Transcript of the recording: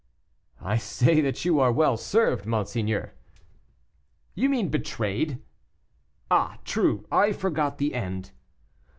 "I say that you are well served, monseigneur." "You mean betrayed." "Ah, true; I forgot the end."